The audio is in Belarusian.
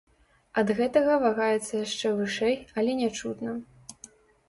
Ад гэтага вагаецца яшчэ вышэй, але нячутна.